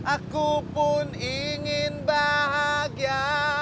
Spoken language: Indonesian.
aku pun ingin bahagia